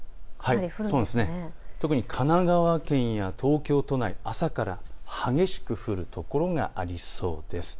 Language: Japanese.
特に神奈川県や東京都内、朝から激しく降る所がありそうです。